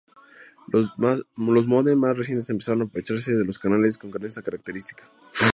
Los módem más recientes empezaron a aprovecharse de los canales con esta característica.